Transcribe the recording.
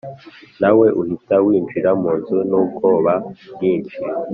nawe uhita winjira munzu nubwoba bwinshi.